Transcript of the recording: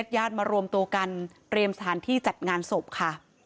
ญาติมารวมตัวกันเตรียมสถานที่จัดงานศพค่ะ